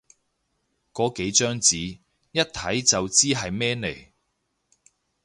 個幾張紙，一睇就知係咩嚟